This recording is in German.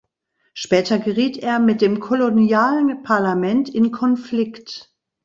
Später geriet er mit dem kolonialen Parlament in Konflikt.